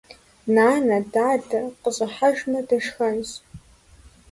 Нанэ, дадэ къыщӀыхьэжмэ дышхэнщ.